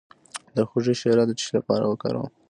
د هوږې شیره د څه لپاره وکاروم؟